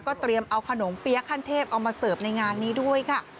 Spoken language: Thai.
เตรียมเอาขนมเปี๊ยะขั้นเทพเอามาเสิร์ฟในงานนี้ด้วยค่ะ